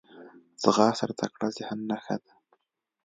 ځغاسته د تکړه ذهن نښه ده